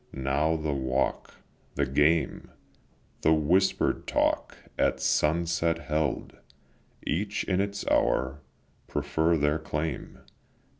Now the walk, the game, The whisper'd talk at sunset held, Each in its hour, prefer their claim.